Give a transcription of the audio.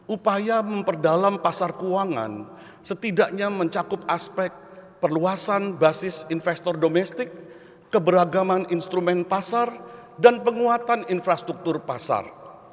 upaya memperdalam pasar keuangan setidaknya mencakup aspek perluasan basis investor domestik keberagaman instrumen pasar dan penguatan infrastruktur pasar